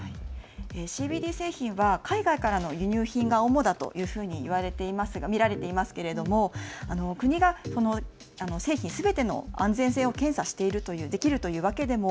ＣＢＤ製品は海外からの輸入品が主だというふうに見られていますけれども国が製品すべての安全性を検査しているわけでは